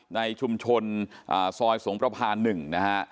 ในชุมชนอ่าซอยสงประพาหนึ่งนะฮะ